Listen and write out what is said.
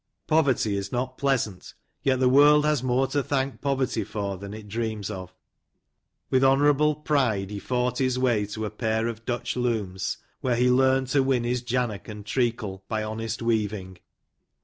Poverty is not pleasant, yet the world has more to thank poverty for than it dreams of. With honourable pride he fought his way to a pair of Dutch looms, where he learned to win his jannock and treacle by honest weaving.